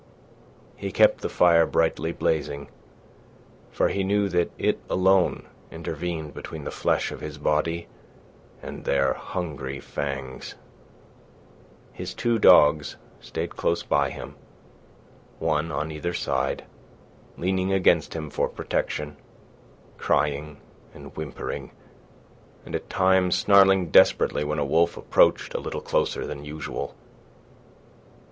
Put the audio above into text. He kept the fire brightly blazing, for he knew that it alone intervened between the flesh of his body and their hungry fangs. His two dogs stayed close by him, one on either side, leaning against him for protection, crying and whimpering, and at times snarling desperately when a wolf approached a little closer than usual.